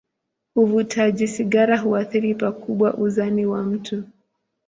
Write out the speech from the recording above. Uvutaji sigara huathiri pakubwa uzani wa mtu.